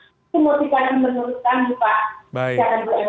dan tambahan pak mampu fisik satu lagi pak